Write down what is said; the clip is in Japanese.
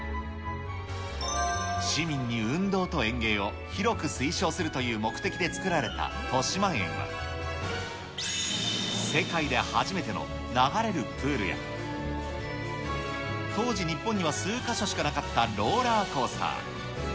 市民に運動と園芸を広く推奨するという目的で作られたとしまえんは、世界で初めての流れるプールや、当時日本には数か所しかなかったローラーコースター。